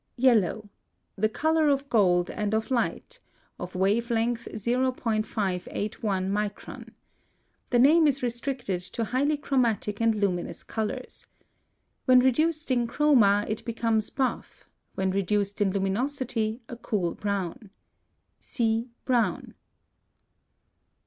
YELLOW. The color of gold and of light, of wave length 0.581 micron. The name is restricted to highly chromatic and luminous colors. When reduced in CHROMA, it becomes buff; when reduced in LUMINOSITY, a cool brown. See Brown.